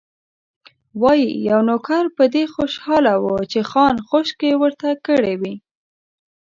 وايي، یو نوکر په دې خوشاله و چې خان خوشکې ورته کړې وې.